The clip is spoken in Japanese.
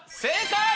正解！